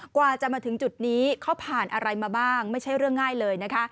กว่าจะมาถึงจุดนี้เขาผ่านอะไรมาบ้างไม่ใช่เรื่องง่ายเลยนะคะ